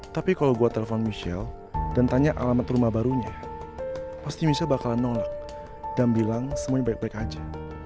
tapi kalau gue telepon michelle dan tanya alamat rumah barunya pasti michelle bakalan nolak dan bilang semuanya baik baik aja